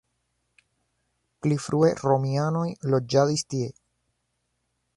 Pli frue romianoj loĝadis tie.